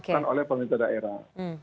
dan oleh pemerintah daerah